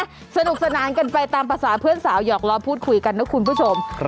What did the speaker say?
ก็สนุกสนานกันไปตามภาษาเพื่อนสาวหยอกล้อพูดคุยกันนะคุณผู้ชม